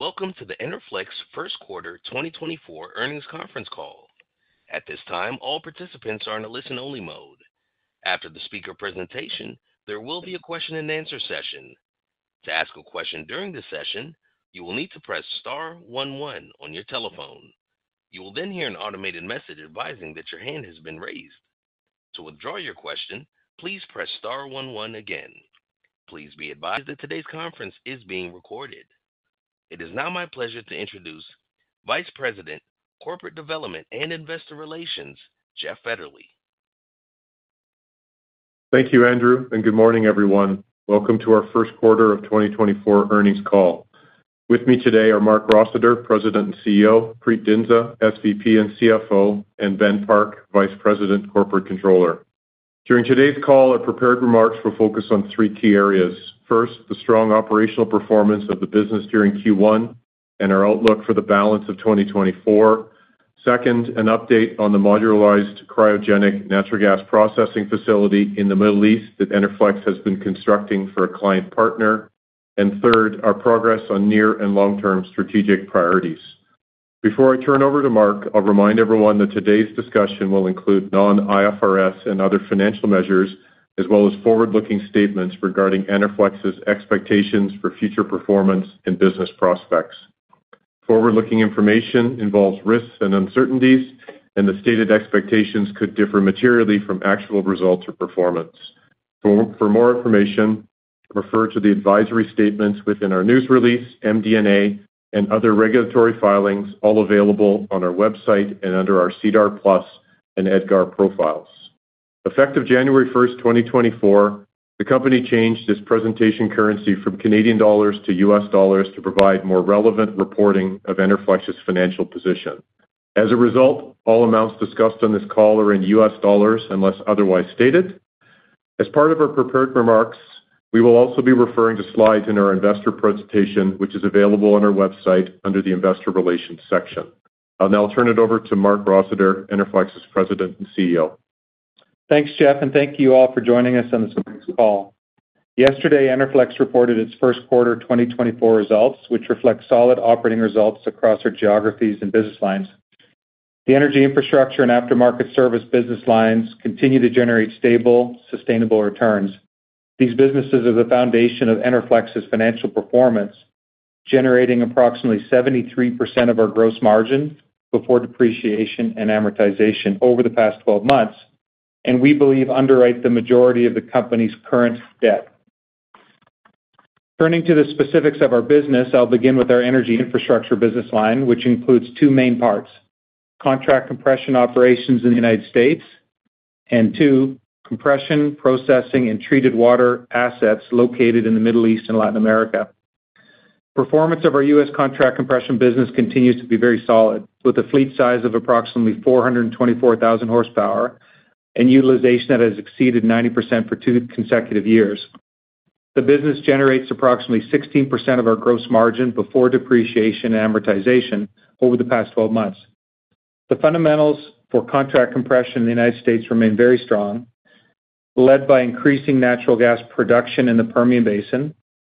Welcome to the Enerflex first quarter 2024 earnings conference call. At this time, all participants are in a listen-only mode. After the speaker presentation, there will be a question and answer session. To ask a question during the session, you will need to press star one one on your telephone. You will then hear an automated message advising that your hand has been raised. To withdraw your question, please press star one one again. Please be advised that today's conference is being recorded. It is now my pleasure to introduce Vice President Corporate Development and Investor Relations, Jeff Fetterly. Thank you, Andrew, and good morning, everyone. Welcome to our first quarter of 2024 earnings call. With me today are Marc Rossiter, President and CEO; Preet Dhindsa, SVP and CFO; and Ben Park, Vice President Corporate Controller. During today's call, I've prepared remarks for focus on three key areas. First, the strong operational performance of the business during Q1 and our outlook for the balance of 2024. Second, an update on the modularized cryogenic natural gas processing facility in the Middle East that Enerflex has been constructing for a client partner. And third, our progress on near and long-term strategic priorities. Before I turn over to Marc, I'll remind everyone that today's discussion will include non-IFRS and other financial measures, as well as forward-looking statements regarding Enerflex's expectations for future performance and business prospects. Forward-looking information involves risks and uncertainties, and the stated expectations could differ materially from actual results or performance. For more information, refer to the advisory statements within our news release, MD&A, and other regulatory filings, all available on our website and under our SEDAR+ and EDGAR profiles. Effective January 1, 2024, the company changed its presentation currency from Canadian dollars to U.S. dollars to provide more relevant reporting of Enerflex's financial position. As a result, all amounts discussed on this call are in U.S. dollars unless otherwise stated. As part of our prepared remarks, we will also be referring to slides in our investor presentation, which is available on our website under the investor relations section. I'll now turn it over to Marc Rossiter, Enerflex's President and CEO. Thanks, Jeff, and thank you all for joining us on this morning's call. Yesterday, Enerflex reported its first quarter 2024 results, which reflect solid operating results across our geographies and business lines. The Energy Infrastructure and Aftermarket Services business lines continue to generate stable, sustainable returns. These businesses are the foundation of Enerflex's financial performance, generating approximately 73% of our gross margin before depreciation and amortization over the past 12 months, and we believe underwrite the majority of the company's current debt. Turning to the specifics of our business, I'll begin with our Energy Infrastructure business line, which includes two main parts: contract compression operations in the United States, and two, compression, processing, and treated water assets located in the Middle East and Latin America. Performance of our U.S. contract compression business continues to be very solid, with a fleet size of approximately 424,000 horsepower and utilization that has exceeded 90% for two consecutive years. The business generates approximately 16% of our gross margin before depreciation and amortization over the past 12 months. The fundamentals for contract compression in the United States remain very strong, led by increasing natural gas production in the Permian Basin,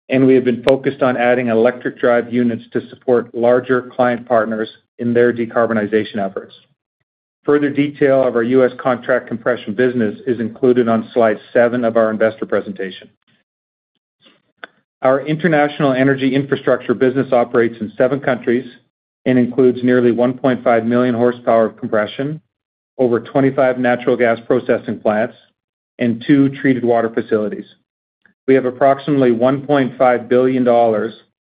and we have been focused on adding electric drive units to support larger client partners in their decarbonization efforts. Further detail of our U.S. contract compression business is included on slide seven of our investor presentation. Our international Energy Infrastructure business operates in seven countries and includes nearly 1.5 million horsepower of compression, over 25 natural gas processing plants, and two treated water facilities. We have approximately $1.5 billion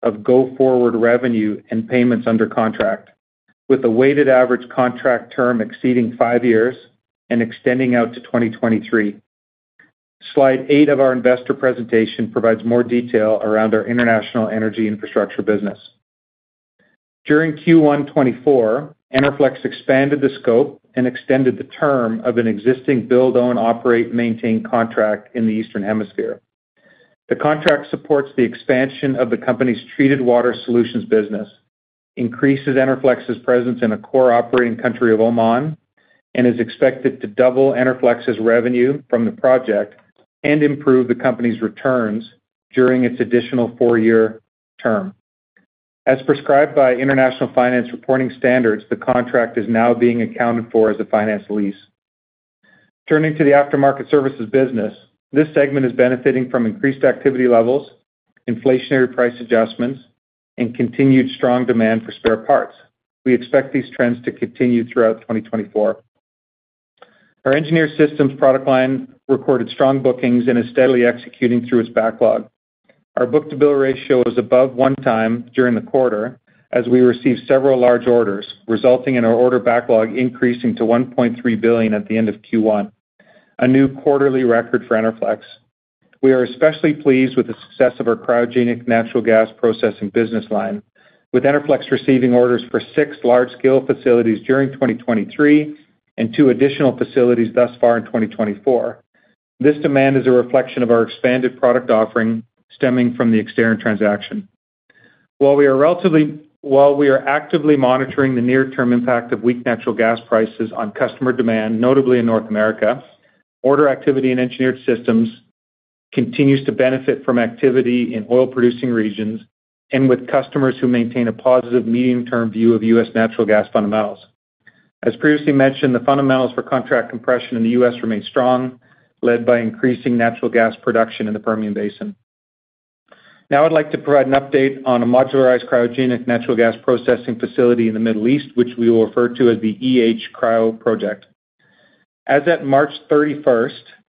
of go-forward revenue and payments under contract, with a weighted average contract term exceeding five years and extending out to 2033. Slide eight of our investor presentation provides more detail around our international Energy Infrastructure business. During Q1 2024, Enerflex expanded the scope and extended the term of an existing build-own-operate-maintain contract in the Eastern Hemisphere. The contract supports the expansion of the company's Treated Water Solutions business, increases Enerflex's presence in a core operating country of Oman, and is expected to double Enerflex's revenue from the project and improve the company's returns during its additional four-year term. As prescribed by International Financial Reporting Standards, the contract is now being accounted for as a finance lease. Turning to the Aftermarket Services business, this segment is benefiting from increased activity levels, inflationary price adjustments, and continued strong demand for spare parts. We expect these trends to continue throughout 2024. Our Engineered Systems product line recorded strong bookings and is steadily executing through its backlog. Our book-to-bill ratio is above 1x during the quarter as we receive several large orders, resulting in our order backlog increasing to $1.3 billion at the end of Q1, a new quarterly record for Enerflex. We are especially pleased with the success of our cryogenic natural gas processing business line, with Enerflex receiving orders for six large-scale facilities during 2023 and two additional facilities thus far in 2024. This demand is a reflection of our expanded product offering stemming from the Exterran transaction. While we are actively monitoring the near-term impact of weak natural gas prices on customer demand, notably in North America, order activity in Engineered Systems continues to benefit from activity in oil-producing regions and with customers who maintain a positive medium-term view of U.S. natural gas fundamentals. As previously mentioned, the fundamentals for contract compression in the U.S. remain strong, led by increasing natural gas production in the Permian Basin. Now I'd like to provide an update on a modularized cryogenic natural gas processing facility in the Middle East, which we will refer to as the Cryo Project. As at March 31,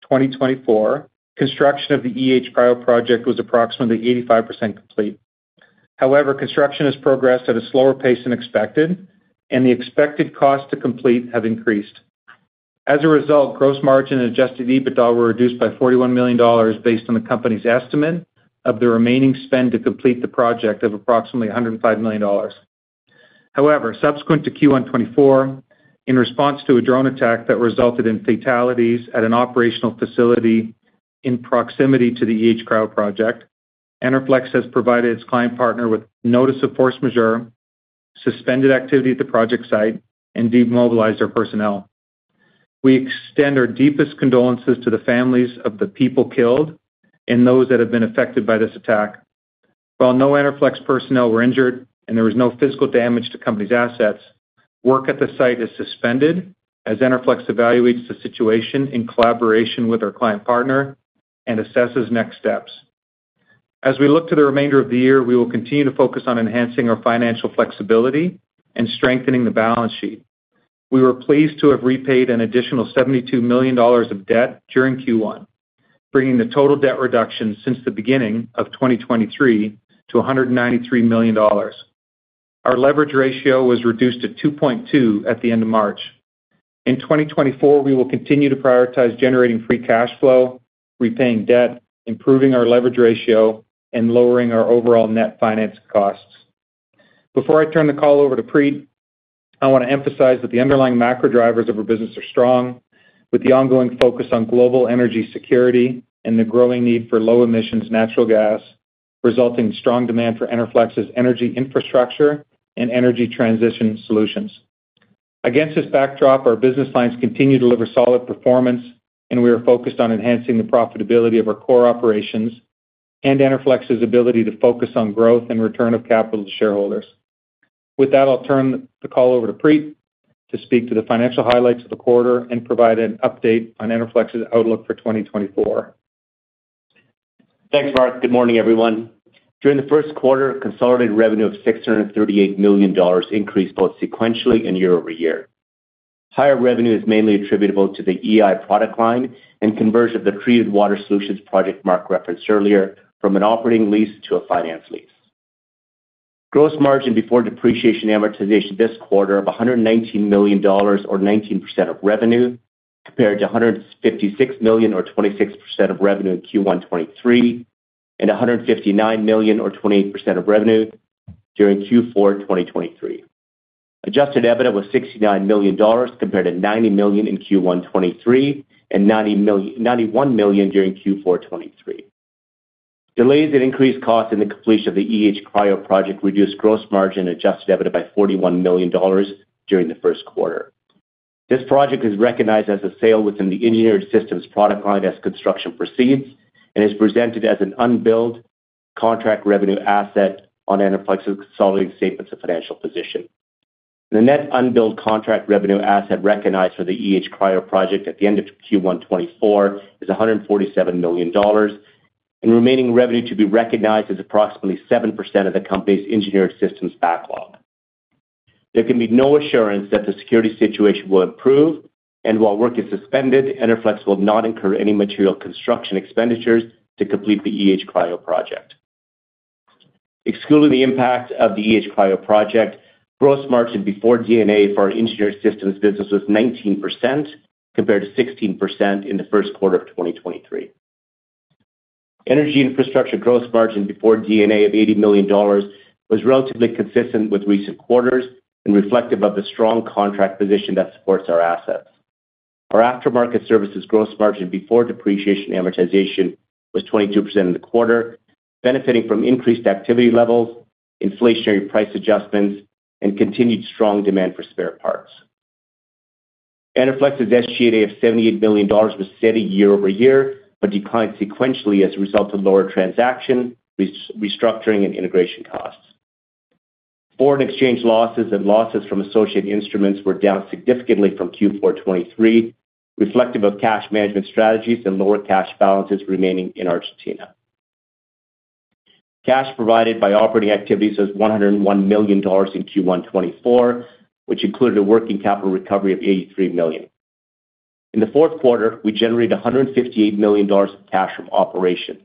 2024, construction of the Cryo Project was approximately 85% complete. However, construction has progressed at a slower pace than expected, and the expected cost to complete have increased. As a result, gross margin and adjusted EBITDA were reduced by $41 million based on the company's estimate of the remaining spend to complete the project of approximately $105 million. However, subsequent to Q1 2024, in response to a drone attack that resulted in fatalities at an operational facility in proximity to the Cryo Project, Enerflex has provided its client partner with notice of force majeure, suspended activity at the project site, and demobilized our personnel. We extend our deepest condolences to the families of the people killed and those that have been affected by this attack. While no Enerflex personnel were injured and there was no physical damage to company's assets, work at the site is suspended as Enerflex evaluates the situation in collaboration with our client partner and assesses next steps. As we look to the remainder of the year, we will continue to focus on enhancing our financial flexibility and strengthening the balance sheet. We were pleased to have repaid an additional $72 million of debt during Q1, bringing the total debt reduction since the beginning of 2023 to $193 million. Our leverage ratio was reduced to 2.2 at the end of March. In 2024, we will continue to prioritize generating free cash flow, repaying debt, improving our leverage ratio, and lowering our overall net finance costs. Before I turn the call over to Preet, I want to emphasize that the underlying macro drivers of our business are strong, with the ongoing focus on global energy security and the growing need for low-emissions natural gas, resulting in strong demand for Enerflex's Energy Infrastructure and energy transition solutions. Against this backdrop, our business lines continue to deliver solid performance, and we are focused on enhancing the profitability of our core operations and Enerflex's ability to focus on growth and return of capital to shareholders. With that, I'll turn the call over to Preet to speak to the financial highlights of the quarter and provide an update on Enerflex's outlook for 2024. Thanks, Marc. Good morning, everyone. During the first quarter, consolidated revenue of $638 million increased both sequentially and year-over-year. Higher revenue is mainly attributable to the EI product line and conversion of the Treated Water Solutions project Marc referenced earlier from an operating lease to a finance lease. Gross margin before depreciation and amortization this quarter of $119 million, or 19% of revenue, compared to $156 million, or 26% of revenue in Q1 2023, and $159 million, or 28% of revenue during Q4 2023. Adjusted EBITDA was $69 million compared to $90 million in Q1 2023 and $91 million during Q4 2023. Delays and increased costs in the completion of the Cryo Project reduced gross margin and adjusted EBITDA by $41 million during the first quarter. This project is recognized as a sale within the Engineered Systems product line as construction proceeds and is presented as an unbilled contract revenue asset on Enerflex's consolidated statements of financial position. The net unbilled contract revenue asset recognized for the Cryo Project at the end of Q1 2024 is $147 million, and remaining revenue to be recognized is approximately 7% of the company's Engineered Systems backlog. There can be no assurance that the security situation will improve, and while work is suspended, Enerflex will not incur any material construction expenditures to complete the Cryo Project. Excluding the impact of the Cryo Project, gross margin before D&A for our Engineered Systems business was 19% compared to 16% in the Q1 2023. Energy Infrastructure gross margin before D&A of $80 million was relatively consistent with recent quarters and reflective of the strong contract position that supports our assets. Our Aftermarket Services gross margin before depreciation and amortization was 22% in the quarter, benefiting from increased activity levels, inflationary price adjustments, and continued strong demand for spare parts. Enerflex's SG&A of $78 million was steady year-over-year but declined sequentially as a result of lower transaction, restructuring, and integration costs. Foreign exchange losses and losses from associated instruments were down significantly from Q4 2023, reflective of cash management strategies and lower cash balances remaining in Argentina. Cash provided by operating activities was $101 million in Q1 2024, which included a working capital recovery of $83 million. In the fourth quarter, we generated $158 million of cash from operations,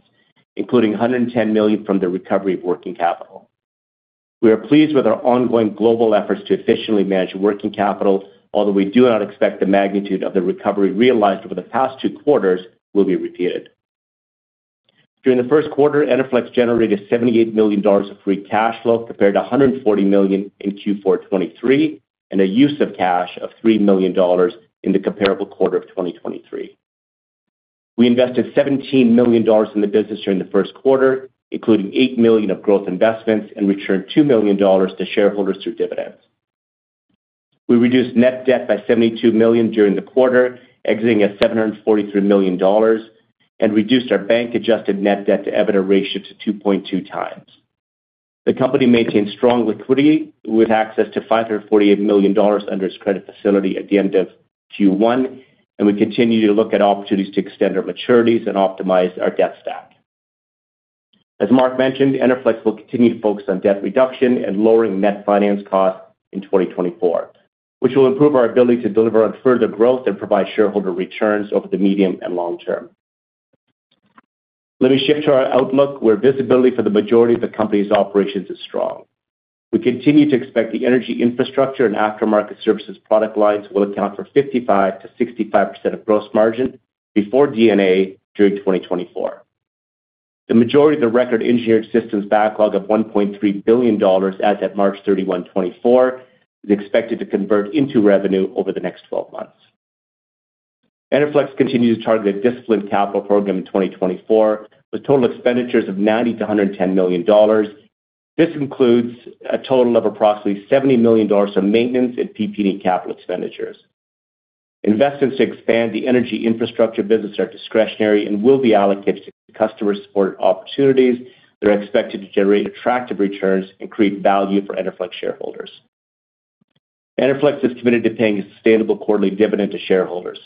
including $110 million from the recovery of working capital. We are pleased with our ongoing global efforts to efficiently manage working capital, although we do not expect the magnitude of the recovery realized over the past two quarters will be repeated. During the first quarter, Enerflex generated $78 million of free cash flow compared to $140 million in Q4 2023 and a use of cash of $3 million in the comparable quarter of 2023. We invested $17 million in the business during the first quarter, including $8 million of growth investments, and returned $2 million to shareholders through dividends. We reduced net debt by $72 million during the quarter, exiting at $743 million, and reduced our bank-adjusted net debt to EBITDA ratio to 2.2x. The company maintains strong liquidity with access to $548 million under its credit facility at the end of Q1, and we continue to look at opportunities to extend our maturities and optimize our debt stack. As Marc mentioned, Enerflex will continue to focus on debt reduction and lowering net finance costs in 2024, which will improve our ability to deliver on further growth and provide shareholder returns over the medium and long term. Let me shift to our outlook, where visibility for the majority of the company's operations is strong. We continue to expect the Energy Infrastructure and Aftermarket Services product lines will account for 55%-65% of gross margin before D&A during 2024. The majority of the record Engineered Systems backlog of $1.3 billion as at March 31, 2024, is expected to convert into revenue over the next 12 months. Enerflex continues to target a disciplined capital program in 2024 with total expenditures of $90 million-$110 million. This includes a total of approximately $70 million of maintenance and PP&E capital expenditures. Investments to expand the Energy Infrastructure business are discretionary and will be allocated to customer-supported opportunities that are expected to generate attractive returns and create value for Enerflex shareholders. Enerflex is committed to paying a sustainable quarterly dividend to shareholders.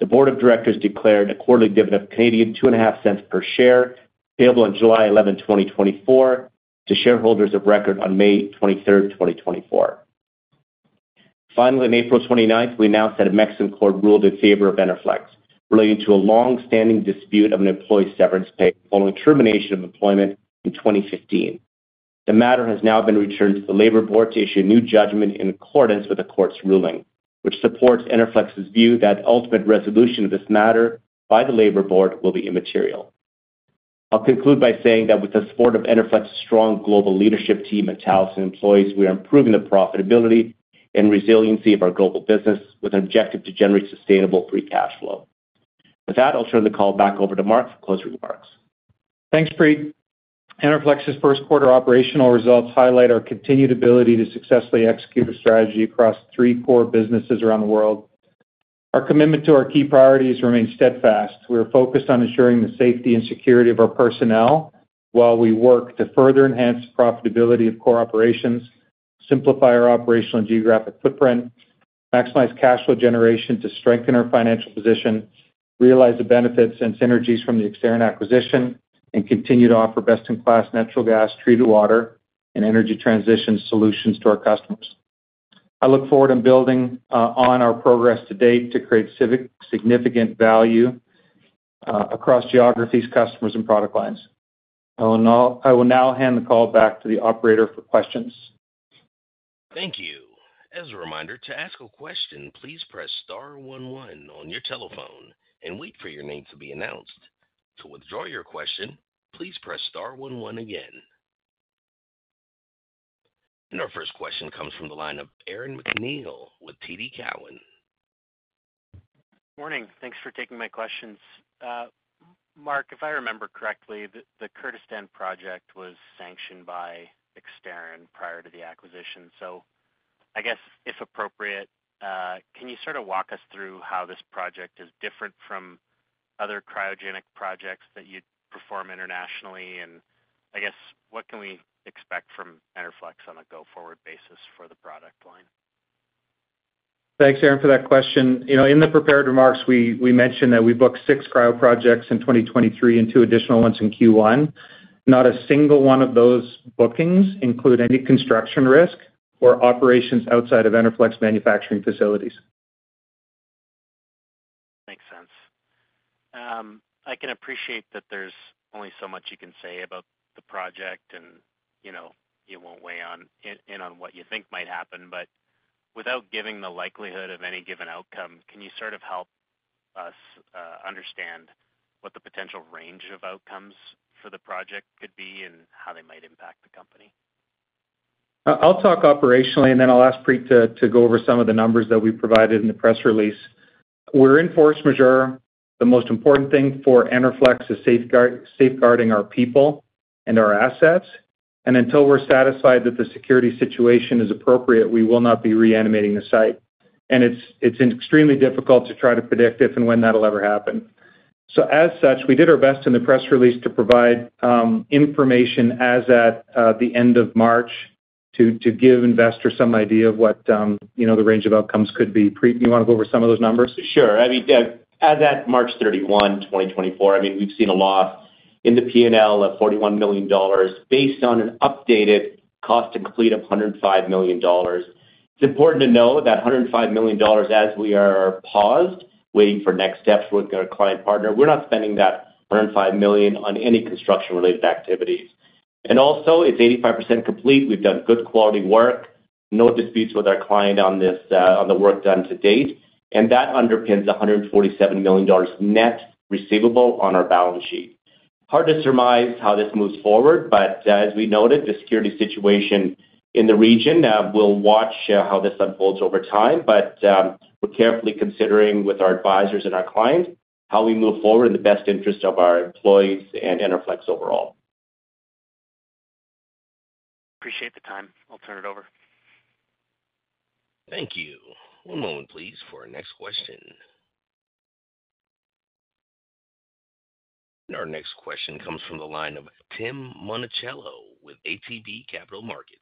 The board of directors declared a quarterly dividend of 0.025 per share payable on July 11, 2024, to shareholders of record on May 23, 2024. Finally, on April 29th, we announced that a Mexican court ruled in favor of Enerflex relating to a longstanding dispute of an employee severance pay following termination of employment in 2015. The matter has now been returned to the labor board to issue a new judgment in accordance with the court's ruling, which supports Enerflex's view that ultimate resolution of this matter by the labor board will be immaterial. I'll conclude by saying that with the support of Enerflex's strong global leadership team and talented employees, we are improving the profitability and resiliency of our global business with an objective to generate sustainable free cash flow. With that, I'll turn the call back over to Marc for closing remarks. Thanks, Preet. Enerflex's first quarter operational results highlight our continued ability to successfully execute a strategy across three core businesses around the world. Our commitment to our key priorities remains steadfast. We are focused on ensuring the safety and security of our personnel while we work to further enhance the profitability of core operations, simplify our operational and geographic footprint, maximize cash flow generation to strengthen our financial position, realize the benefits and synergies from the Exterran acquisition, and continue to offer best-in-class natural gas, treated water, and energy transition solutions to our customers. I look forward to building on our progress to date to create significant value across geographies, customers, and product lines. I will now hand the call back to the operator for questions. Thank you. As a reminder, to ask a question, please press star one one on your telephone and wait for your name to be announced. To withdraw your question, please press star one one again. Our first question comes from the line of Aaron MacNeil with TD Cowen. Morning. Thanks for taking my questions. Marc, if I remember correctly, the Kurdistan project was sanctioned by Exterran prior to the acquisition. So I guess, if appropriate, can you sort of walk us through how this project is different from other cryogenic projects that you perform internationally? And I guess, what can we expect from Enerflex on a go-forward basis for the product line? Thanks, Aaron, for that question. In the prepared remarks, we mentioned that we booked 6 cryo projects in 2023 and two additional ones in Q1. Not a single one of those bookings includes any construction risk or operations outside of Enerflex manufacturing facilities. Makes sense. I can appreciate that there's only so much you can say about the project, and you won't weigh in on what you think might happen. But without giving the likelihood of any given outcome, can you sort of help us understand what the potential range of outcomes for the project could be and how they might impact the company? I'll talk operationally, and then I'll ask Preet to go over some of the numbers that we provided in the press release. We're in force majeure. The most important thing for Enerflex is safeguarding our people and our assets. And until we're satisfied that the security situation is appropriate, we will not be reanimating the site. And it's extremely difficult to try to predict if and when that'll ever happen. So as such, we did our best in the press release to provide information as at the end of March to give investors some idea of what the range of outcomes could be. Preet, do you want to go over some of those numbers? Sure. I mean, as at March 31, 2024, I mean, we've seen a loss in the P&L of $41 million based on an updated cost to complete of $105 million. It's important to know that $105 million, as we are paused, waiting for next steps with our client partner, we're not spending that $105 million on any construction-related activities. And also, it's 85% complete. We've done good quality work. No disputes with our client on the work done to date. And that underpins a $147 million net receivable on our balance sheet. Hard to surmise how this moves forward, but as we noted, the security situation in the region. We'll watch how this unfolds over time. But we're carefully considering with our advisors and our clients how we move forward in the best interest of our employees and Enerflex overall. Appreciate the time. I'll turn it over. Thank you. One moment, please, for our next question. Our next question comes from the line of Tim Monachello with ATB Capital Markets.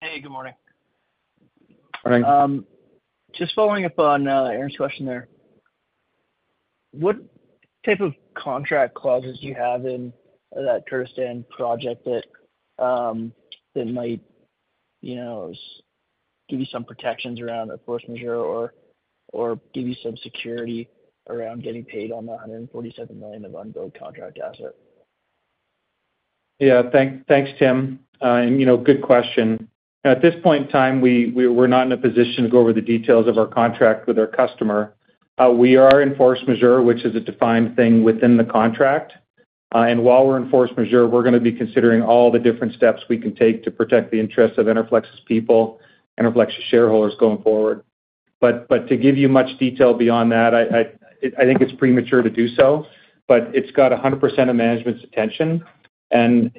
Hey. Good morning. Morning. Just following up on Aaron's question there. What type of contract clauses do you have in that Kurdistan project that might give you some protections around a force majeure or give you some security around getting paid on the $147 million of unbilled contract asset? Yeah. Thanks, Tim. And good question. At this point in time, we're not in a position to go over the details of our contract with our customer. We are in Force Majeure, which is a defined thing within the contract. And while we're in Force Majeure, we're going to be considering all the different steps we can take to protect the interests of Enerflex's people, Enerflex's shareholders going forward. But to give you much detail beyond that, I think it's premature to do so. But it's got 100% of management's attention. And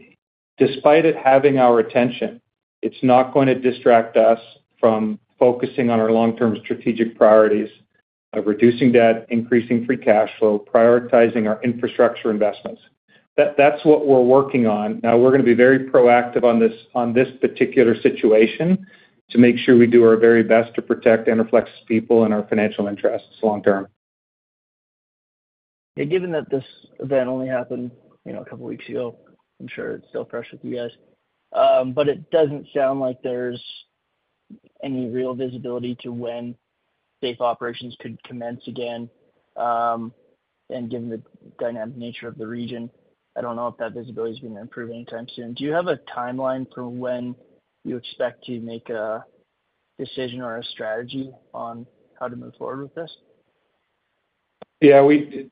despite it having our attention, it's not going to distract us from focusing on our long-term strategic priorities of reducing debt, increasing free cash flow, prioritizing our infrastructure investments. That's what we're working on. Now, we're going to be very proactive on this particular situation to make sure we do our very best to protect Enerflex's people and our financial interests long term. Yeah. Given that this event only happened a couple of weeks ago, I'm sure it's still fresh with you guys. But it doesn't sound like there's any real visibility to when safe operations could commence again. Given the dynamic nature of the region, I don't know if that visibility is going to improve anytime soon. Do you have a timeline for when you expect to make a decision or a strategy on how to move forward with this? Yeah.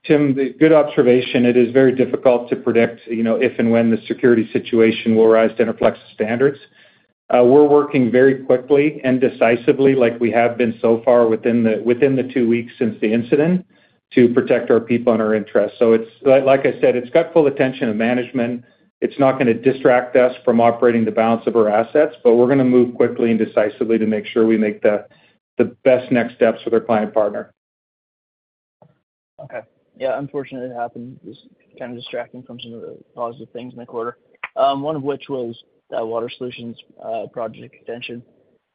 Tim, good observation. It is very difficult to predict if and when the security situation will rise to Enerflex's standards. We're working very quickly and decisively, like we have been so far within the two weeks since the incident, to protect our people and our interests. So like I said, it's got full attention of management. It's not going to distract us from operating the balance of our assets. But we're going to move quickly and decisively to make sure we make the best next steps with our client partner. Okay. Yeah. Unfortunately, it happened. It was kind of distracting from some of the positive things in the quarter, one of which was that water solutions project extension.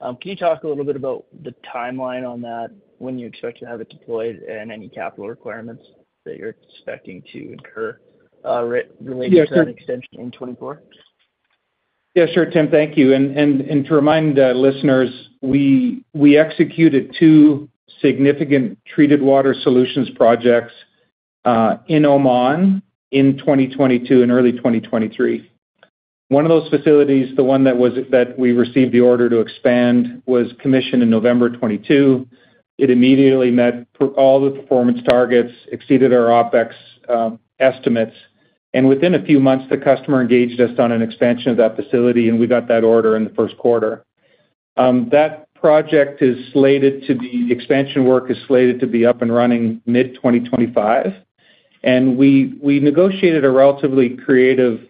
Can you talk a little bit about the timeline on that, when you expect to have it deployed, and any capital requirements that you're expecting to incur related to that extension in 2024? Yeah. Sure, Tim. Thank you. To remind listeners, we executed two significant Treated Water Solutions projects in Oman in 2022 and early 2023. One of those facilities, the one that we received the order to expand, was commissioned in November 2022. It immediately met all the performance targets, exceeded our OpEx estimates. Within a few months, the customer engaged us on an expansion of that facility, and we got that order in the first quarter. That project is slated to be expansion work is slated to be up and running mid-2025. We negotiated a relatively creative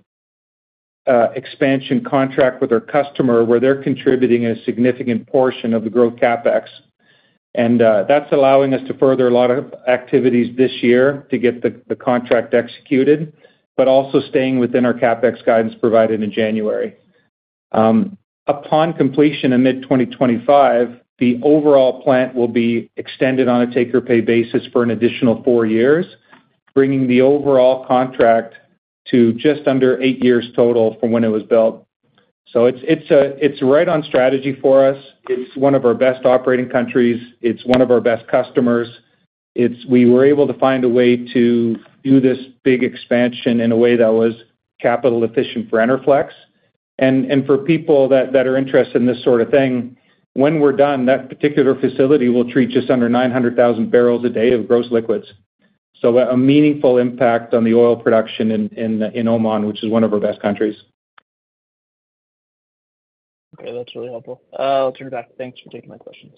expansion contract with our customer where they're contributing a significant portion of the growth CapEx. That's allowing us to further a lot of activities this year to get the contract executed, but also staying within our CapEx guidance provided in January. Upon completion in mid-2025, the overall plant will be extended on a take-or-pay basis for an additional four years, bringing the overall contract to just under eight years total from when it was built. It's right on strategy for us. It's one of our best operating countries. It's one of our best customers. We were able to find a way to do this big expansion in a way that was capital-efficient for Enerflex. For people that are interested in this sort of thing, when we're done, that particular facility will treat just under 900,000 barrels a day of gross liquids. A meaningful impact on the oil production in Oman, which is one of our best countries. Okay. That's really helpful. I'll turn it back. Thanks for taking my questions.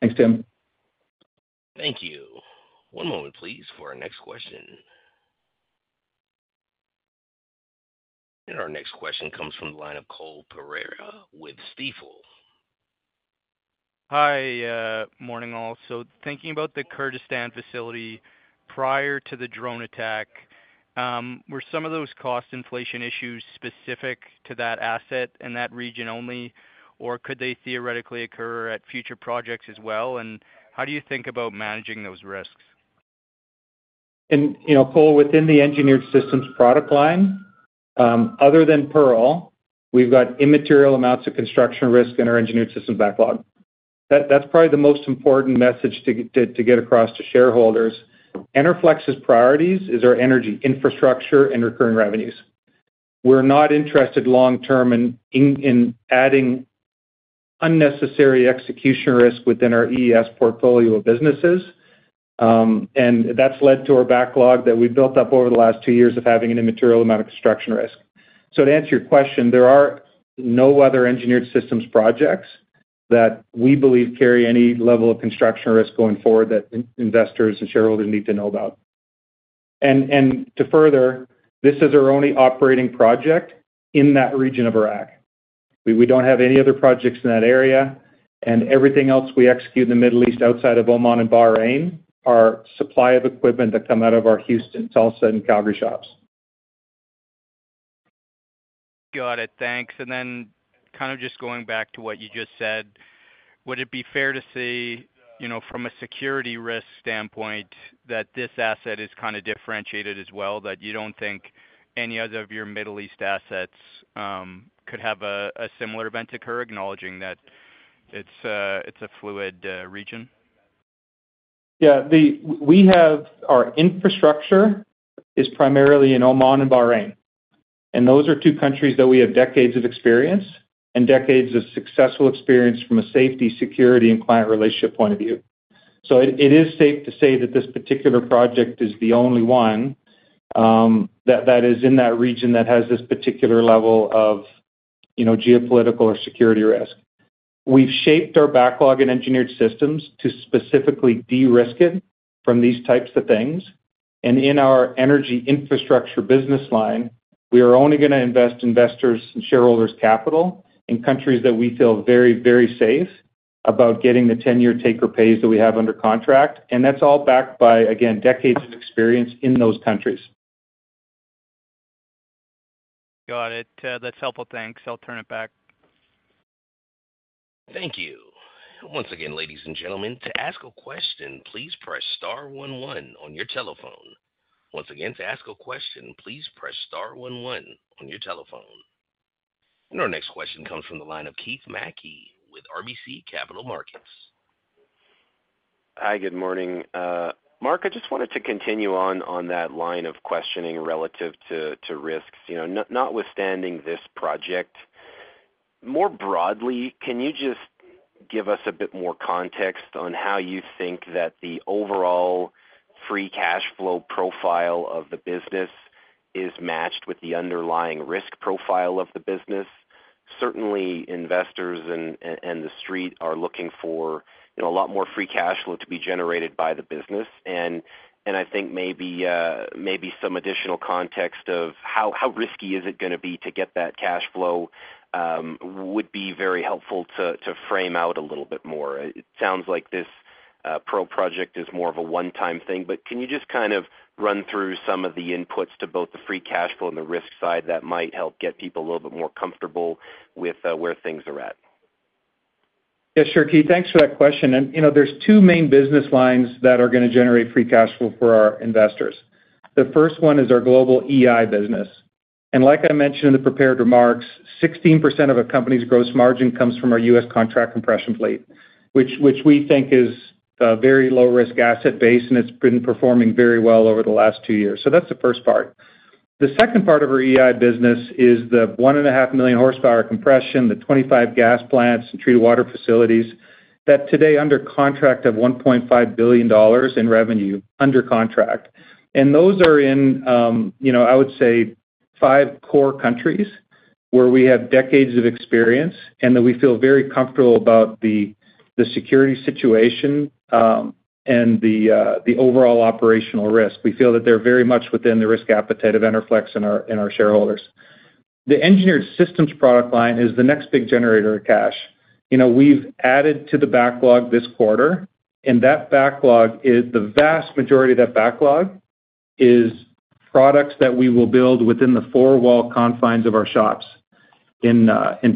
Thanks, Tim. Thank you. One moment, please, for our next question. And our next question comes from the line of Cole Pereira with Stifel. Hi. Morning, all. So thinking about the Kurdistan facility prior to the drone attack, were some of those cost inflation issues specific to that asset and that region only, or could they theoretically occur at future projects as well? And how do you think about managing those risks? Yeah Cole, within the Engineered Systems product line, other than Pearl, we've got immaterial amounts of construction risk in our Engineered Systems backlog. That's probably the most important message to get across to shareholders. Enerflex's priorities is our Energy Infrastructure and recurring revenues. We're not interested long-term in adding unnecessary execution risk within our EES portfolio of businesses. And that's led to our backlog that we built up over the last two years of having an immaterial amount of construction risk. So to answer your question, there are no other Engineered Systems projects that we believe carry any level of construction risk going forward that investors and shareholders need to know about. And to further, this is our only operating project in that region of Iraq. We don't have any other projects in that area. Everything else we execute in the Middle East outside of Oman and Bahrain are supply of equipment that come out of our Houston, Tulsa, and Calgary shops. Got it. Thanks. And then kind of just going back to what you just said, would it be fair to see, from a security risk standpoint, that this asset is kind of differentiated as well, that you don't think any other of your Middle East assets could have a similar event occur, acknowledging that it's a fluid region? Yeah. we have our infrastructure is primarily in Oman and Bahrain. Those are two countries that we have decades of experience and decades of successful experience from a safety, security, and client relationship point of view. It is safe to say that this particular project is the only one that is in that region that has this particular level of geopolitical or security risk. We've shaped our backlog in Engineered Systems to specifically de-risk it from these types of things. In our Energy Infrastructure business line, we are only going to invest investors' and shareholders' capital in countries that we feel very, very safe about getting the 10-year take-or-pays that we have under contract. That's all backed by, again, decades of experience in those countries. Got it. That's helpful. Thanks. I'll turn it back. Thank you. Once again, ladies and gentlemen, to ask a question, please press star one one on your telephone. Once again, to ask a question, please press star one one on your telephone. Our next question comes from the line of Keith Mackey with RBC Capital Markets. Hi. Good morning. Marc, I just wanted to continue on that line of questioning relative to risks, notwithstanding this project. More broadly, can you just give us a bit more context on how you think that the overall free cash flow profile of the business is matched with the underlying risk profile of the business? Certainly, investors and the street are looking for a lot more free cash flow to be generated by the business. And I think maybe some additional context of how risky is it going to be to get that cash flow would be very helpful to frame out a little bit more. It sounds like this Cryo Project is more of a one-time thing. Can you just kind of run through some of the inputs to both the free cash flow and the risk side that might help get people a little bit more comfortable with where things are at? Yeah. Sure, Keith. Thanks for that question. There's two main business lines that are going to generate free cash flow for our investors. The first one is our global EI business. Like I mentioned in the prepared remarks, 16% of a company's gross margin comes from our U.S. contract compression fleet, which we think is a very low-risk asset base, and it's been performing very well over the last two years. That's the first part. The second part of our EI business is the 1.5 million horsepower compression, the 25 gas plants, and treated water facilities that today under contract have $1.5 billion in revenue under contract. Those are in, I would say, five core countries where we have decades of experience and that we feel very comfortable about the security situation and the overall operational risk. We feel that they're very much within the risk appetite of Enerflex and our shareholders. The Engineered Systems product line is the next big generator of cash. We've added to the backlog this quarter. And the vast majority of that backlog is products that we will build within the four-wall confines of our shops in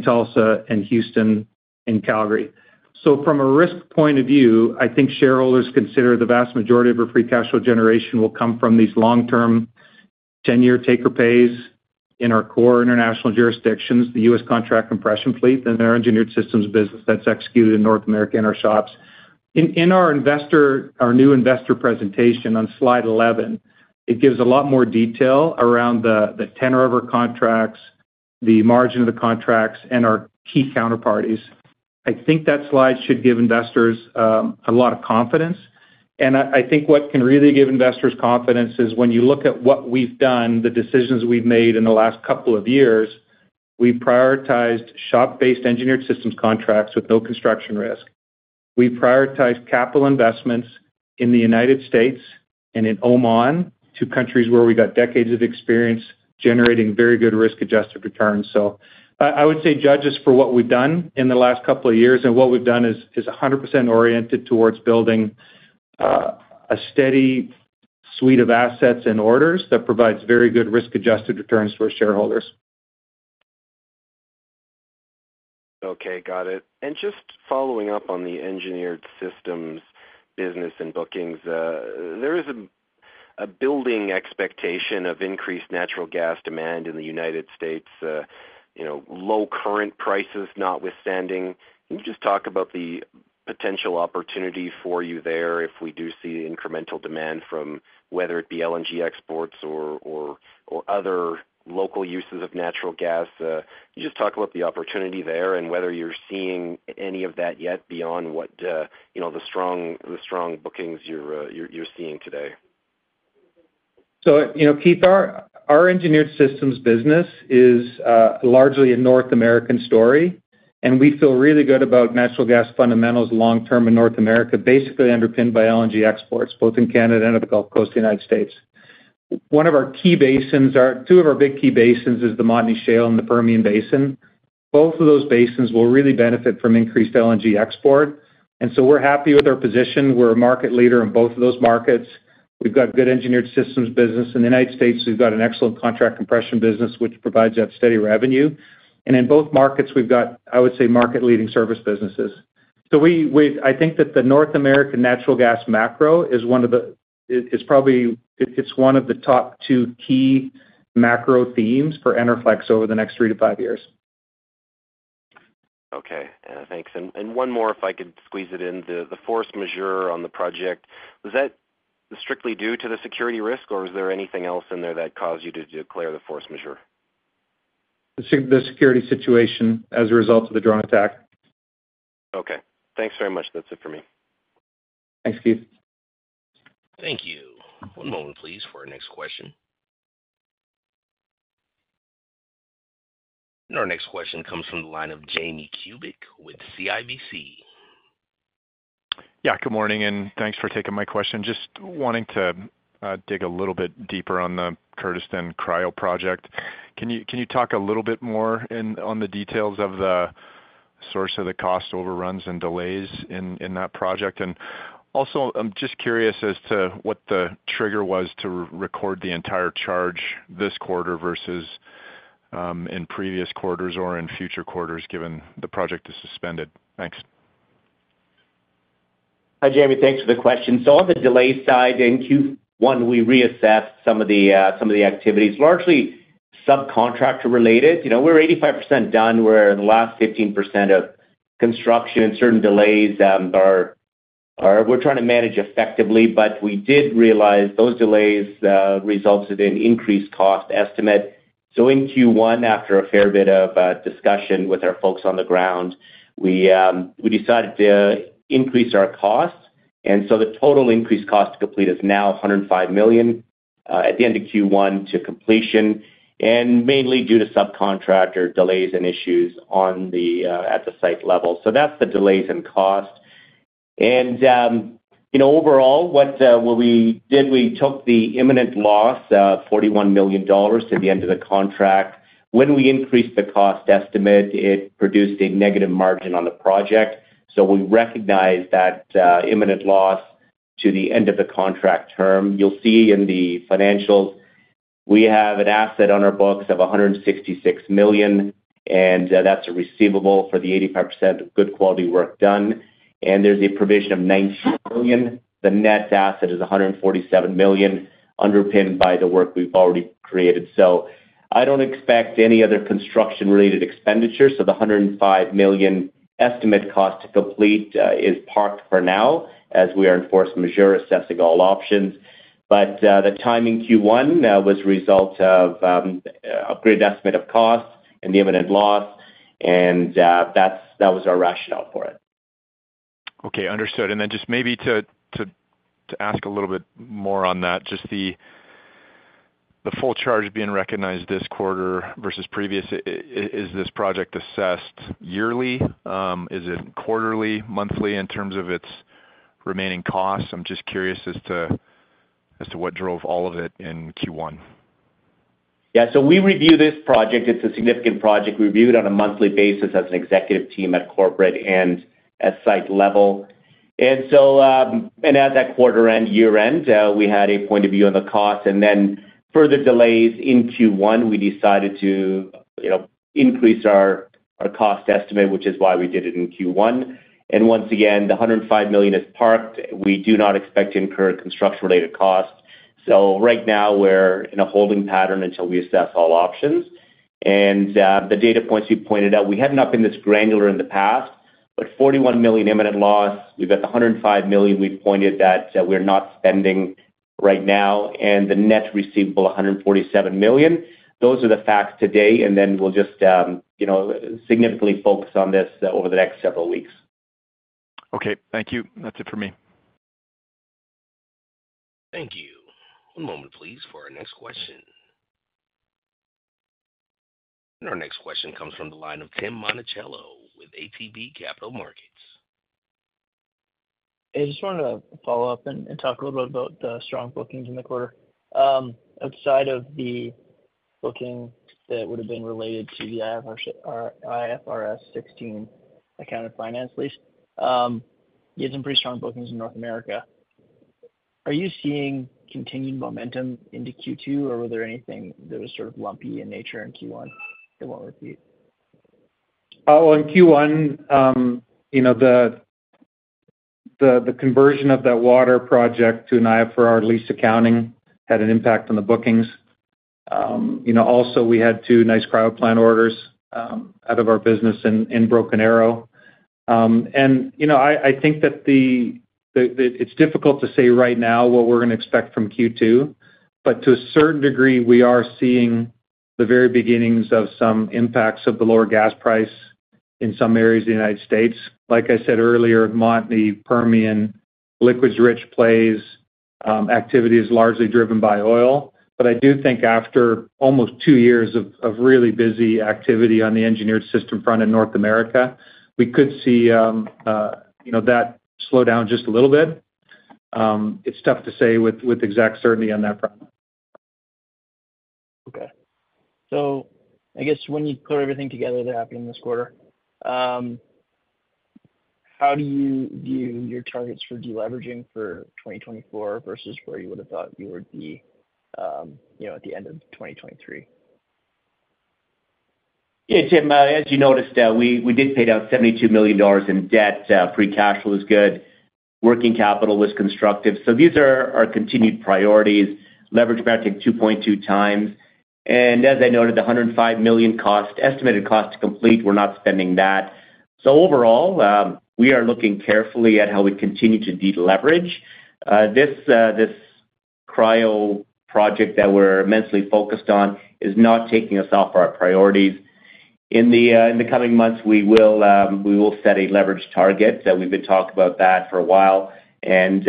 Tulsa and Houston and Calgary. So from a risk point of view, I think shareholders consider the vast majority of our free cash flow generation will come from these long-term 10-year take-or-pays in our core international jurisdictions, the U.S. contract compression fleet, and our Engineered Systems business that's executed in North America in our shops. In our new investor presentation on slide 11, it gives a lot more detail around the tenor of our contracts, the margin of the contracts, and our key counterparties. I think that slide should give investors a lot of confidence. I think what can really give investors confidence is when you look at what we've done, the decisions we've made in the last couple of years. We've prioritized shop-based Engineered Systems contracts with no construction risk. We've prioritized capital investments in the United States and in Oman, countries where we got decades of experience generating very good risk-adjusted returns. I would say judge us for what we've done in the last couple of years. What we've done is 100% oriented towards building a steady suite of assets and orders that provides very good risk-adjusted returns to our shareholders. Okay. Got it. Just following up on the Engineered Systems business and bookings, there is a building expectation of increased natural gas demand in the United States, low current prices notwithstanding. Can you just talk about the potential opportunity for you there if we do see incremental demand from whether it be LNG exports or other local uses of natural gas? Just talk about the opportunity there and whether you're seeing any of that yet beyond the strong bookings you're seeing today. So Keith, our Engineered Systems business is largely a North American story. We feel really good about natural gas fundamentals long-term in North America, basically underpinned by LNG exports, both in Canada and at the Gulf Coast of the United States. One of our key basins are two of our big key basins is the Montney Shale and the Permian Basin. Both of those basins will really benefit from increased LNG export. So we're happy with our position. We're a market leader in both of those markets. We've got good Engineered Systems business. In the United States, we've got an excellent contract compression business, which provides that steady revenue. In both markets, we've got, I would say, market-leading service businesses. I think that the North American natural gas macro is one of the top two key macro themes for Enerflex over the next 3-5 years. Okay. Thanks. And one more, if I could squeeze it in, the force majeure on the project, was that strictly due to the security risk, or is there anything else in there that caused you to declare the force majeure? The security situation as a result of the drone attack. Okay. Thanks very much. That's it for me. Thanks, Keith. Thank you. One moment, please, for our next question. Our next question comes from the line of Jamie Kubik with CIBC. Yeah. Good morning, and thanks for taking my question. Just wanting to dig a little bit deeper on the Kurdistan Cryo Project. Can you talk a little bit more on the details of the source of the cost overruns and delays in that project? And also, I'm just curious as to what the trigger was to record the entire charge this quarter versus in previous quarters or in future quarters given the project is suspended. Thanks. Hi, Jamie. Thanks for the question. So on the delay side, in Q1, we reassessed some of the activities, largely subcontractor-related. We're 85% done. We're in the last 15% of construction. Certain delays, we're trying to manage effectively. But we did realize those delays resulted in increased cost estimate. So in Q1, after a fair bit of discussion with our folks on the ground, we decided to increase our cost. And so the total increased cost to complete is now $105 million at the end of Q1 to completion, and mainly due to subcontractor delays and issues at the site level. So that's the delays and cost. And overall, what we did, we took the imminent loss, $41 million, to the end of the contract. When we increased the cost estimate, it produced a negative margin on the project. We recognized that imminent loss to the end of the contract term. You'll see in the financials, we have an asset on our books of $166 million. That's a receivable for the 85% good quality work done. There's a provision of $19 million. The net asset is $147 million, underpinned by the work we've already created. I don't expect any other construction-related expenditure. The $105 million estimate cost to complete is parked for now as we are in force majeure assessing all options. The time in Q1 was a result of upgraded estimate of cost and the imminent loss. That was our rationale for it. Okay. Understood. And then just maybe to ask a little bit more on that, just the full charge being recognized this quarter versus previous, is this project assessed yearly? Is it quarterly, monthly, in terms of its remaining costs? I'm just curious as to what drove all of it in Q1. Yeah. So we review this project. It's a significant project. We review it on a monthly basis as an executive team at corporate and at site level. And at that quarter-end, year-end, we had a point of view on the cost. And then for the delays in Q1, we decided to increase our cost estimate, which is why we did it in Q1. And once again, the $105 million is parked. We do not expect to incur construction-related costs. So right now, we're in a holding pattern until we assess all options. And the data points you pointed out, we have not been this granular in the past, but $41 million imminent loss. We've got the $105 million we've pointed that we're not spending right now and the net receivable, $147 million. Those are the facts today. And then we'll just significantly focus on this over the next several weeks. Okay. Thank you. That's it for me. Thank you. One moment, please, for our next question. Our next question comes from the line of Tim Monachello with ATB Capital Markets. Hey. I just wanted to follow up and talk a little bit about the strong bookings in the quarter. Outside of the booking that would have been related to the IFRS 16 account and finance lease, you had some pretty strong bookings in North America. Are you seeing continued momentum into Q2, or were there anything that was sort of lumpy in nature in Q1 that won't repeat? Well, in Q1, the conversion of that water project to an IFRS lease accounting had an impact on the bookings. Also, we had two nice cryo plant orders out of our business in Broken Arrow. And I think that it's difficult to say right now what we're going to expect from Q2. But to a certain degree, we are seeing the very beginnings of some impacts of the lower gas price in some areas of the United States. Like I said earlier, Montney, Permian, liquids-rich plays activity is largely driven by oil. But I do think after almost two years of really busy activity on the engineered system front in North America, we could see that slow down just a little bit. It's tough to say with exact certainty on that front. Okay. So I guess when you put everything together, they're happy in this quarter. How do you view your targets for deleveraging for 2024 versus where you would have thought you would be at the end of 2023? Yeah, Tim. As you noticed, we did pay down $72 million in debt. Free cash flow is good. Working capital was constructive. So these are continued priorities. Leverage metric 2.2x. And as I noted, the $105 million estimated cost to complete, we're not spending that. So overall, we are looking carefully at how we continue to deleverage. This Cryo Project that we're immensely focused on is not taking us off our priorities. In the coming months, we will set a leverage target. We've been talking about that for a while. And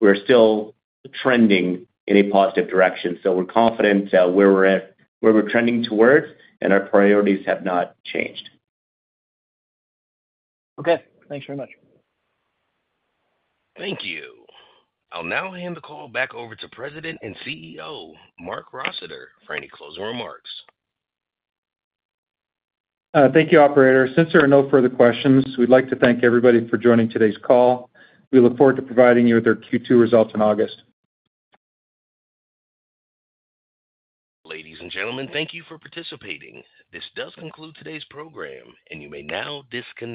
we're still trending in a positive direction. So we're confident where we're trending towards, and our priorities have not changed. Okay. Thanks very much. Thank you. I'll now hand the call back over to President and CEO Marc Rossiter for any closing remarks. Thank you, operator. Since there are no further questions, we'd like to thank everybody for joining today's call. We look forward to providing you with our Q2 results in August. Ladies and gentlemen, thank you for participating. This does conclude today's program, and you may now disconnect.